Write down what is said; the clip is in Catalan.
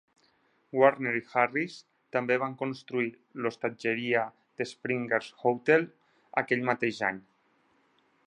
Warner i Harris també van construir l'hostatgeria de Springer's Hotel aquell mateix any.